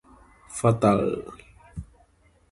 Fatal.